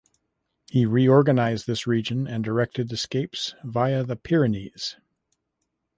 He reorganized this region and directed escapes via the Pyrenees.